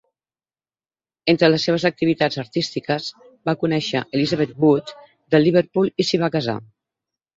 Entre les seves activitats artístiques, va conèixer Elizabeth Wood de Liverpool i s'hi va casar.